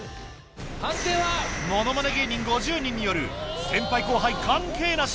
ものまね芸人５０人による先輩後輩関係なし